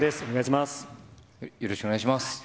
お願いします。